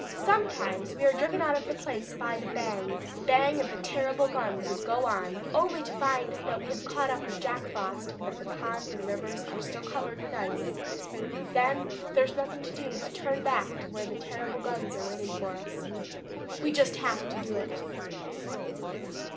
Sometimes we are driven out of a place by the bang, bang of the terrible guns and go on, only to find that we have caught up with Jack Frost, and that the ponds and the rivers are still covered with ice. Then there is nothing to do but to turn back to where those terrible guns are waiting for us. We just HAVE to do it."